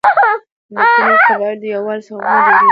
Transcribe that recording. د ګڼو قبایلو د یووالي څخه حکومت جوړيږي.